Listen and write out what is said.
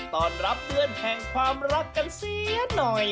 ตอนรับเดือนแห่งความรักกันเสียหน่อย